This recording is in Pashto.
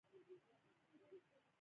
حسينه اوس اوه کلنه ده.